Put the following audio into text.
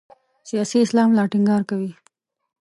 سیاسي اسلام لا ټینګار کوي.